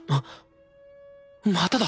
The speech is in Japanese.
・まただ！